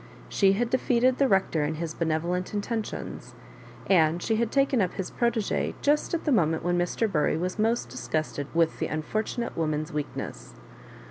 She had defeated the Rec tor in his benevolent intentions, and she had taken up his protegee just at the moment when Mr. Bury was most disgusted with the unfor tunate woman's weakness.